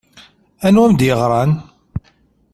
Anwa i m-d-yeɣṛan?